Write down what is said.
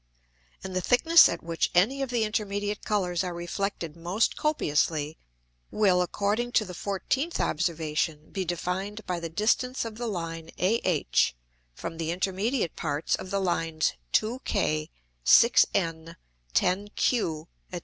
And the Thickness at which any of the intermediate Colours are reflected most copiously, will, according to the 14th Observation, be defined by the distance of the Line AH from the intermediate parts of the Lines 2K, 6N, 10Q, &c.